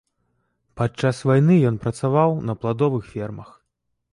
Падчас вайны ён працаваў на пладовых фермах.